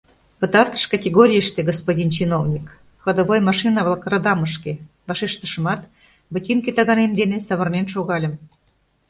— Пытартыш категорийыште, господин чиновник: ходовой машина-влак радамышке, — вашештышымат, ботинке таганем дене савырнен шогальым.